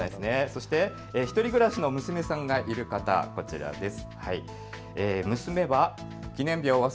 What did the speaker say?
そして１人暮らしの娘さんがいる方、こちらです。